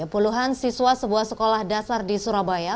puluhan siswa sebuah sekolah dasar di surabaya